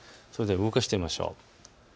動かしてみましょう。